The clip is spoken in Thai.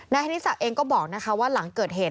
ธนิสักเองก็บอกนะคะว่าหลังเกิดเหตุ